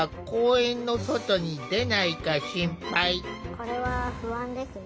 これは不安ですね。